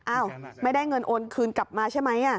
อ้าวไม่ได้เงินโอนคืนกลับมาใช่ไหม